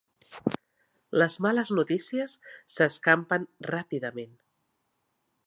Les males notícies s'escampen ràpidament.